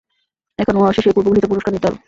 এখন ওয়াহশী সেই পূর্ব ঘোষিত পুরস্কার নিতে এল।